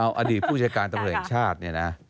เอาอดีตผู้จัดการตำรวจแห่งชาติเนี่ยนะ